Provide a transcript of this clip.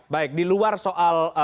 baik di luar soal